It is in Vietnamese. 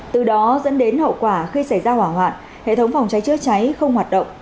từ đó dẫn đến hậu quả khi xảy ra hỏa hoạn hệ thống phòng cháy chữa cháy không hoạt động